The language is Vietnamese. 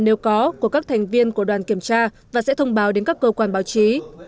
nếu có của các thành viên của đoàn kiểm tra và sẽ thông báo đến các cơ quan báo chí